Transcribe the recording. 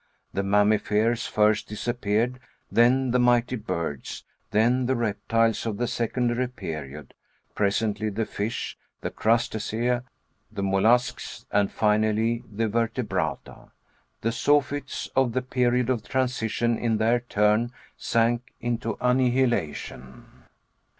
The mammifers first disappeared, then the mighty birds, then the reptiles of the secondary period, presently the fish, the crustacea, the mollusks, and finally the vertebrata. The zoophytes of the period of transition in their turn sank into annihilation.